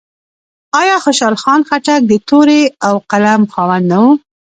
آیا خوشحال خان خټک د تورې او قلم خاوند نه و؟